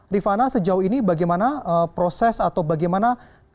rifana sejauh ini bagaimana proses atau bagaimana